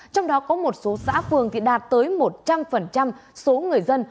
trong đó có một số xã phường đạt tới một trăm linh số người dân